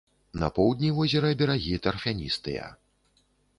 На поўдні возера берагі тарфяністыя.